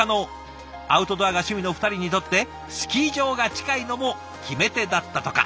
アウトドアが趣味の２人にとってスキー場が近いのも決め手だったとか。